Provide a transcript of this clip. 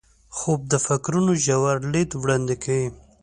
خوب د فکرونو ژور لید وړاندې کوي